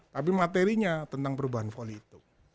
tapi materinya tentang perubahan voli itu